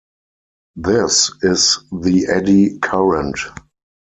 This is the eddy current.